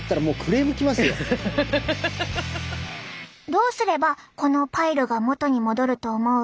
どうすればこのパイルが元に戻ると思う？